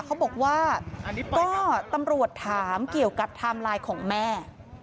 เขาบอกว่าก็ตำรวจถามเกี่ยวกับไทม์ไลน์ของแม่